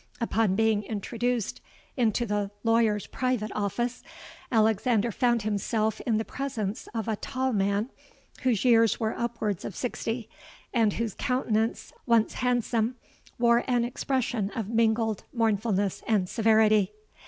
Upon being introduced into the lawyer's private office, Alexander found himself in the presence of a tall man, whose years were upwards of sixty, and whose countenance, once handsome, wore an expression of mingled mournfulness and severity.